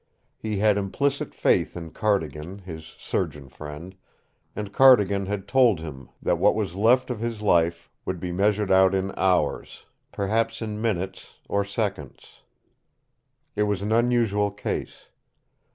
He had implicit faith in Cardigan, his surgeon friend, and Cardigan had told him that what was left of his life would be measured out in hours perhaps in minutes or seconds. It was an unusual case.